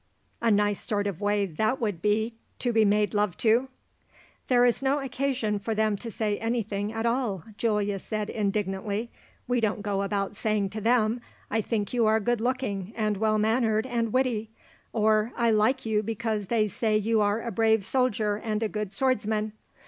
A nice sort of way that would be to be made love to!" "There is no occasion for them to say anything at all," Giulia said indignantly. "We don't go about saying to them, 'I think you are good looking, and well mannered, and witty;' or, 'I like you because they say you are a brave soldier and a good swordsman.'